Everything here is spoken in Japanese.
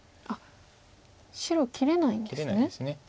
あっ白切れないんですね。